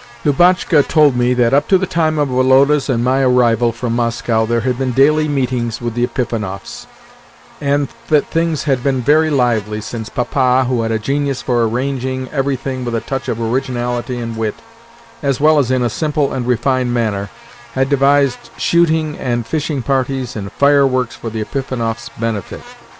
Lubotshka told me that, up to the time of Woloda's and my arrival from Moscow, there had been daily meetings with the Epifanovs, and that things had been very lively, since Papa, who had a genius for arranging, everything with a touch of originality and wit, as well as in a simple and refined manner, had devised shooting and fishing parties and fireworks for the Epifanovs' benefit.